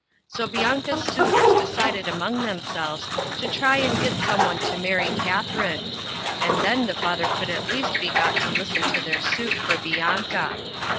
So Bianca's suitors decided among themselves to try and get THE TAMING OF THE SHREW. 37 some one to marry Katharine — and then the father could at least be got to listen to their suit for Bianca.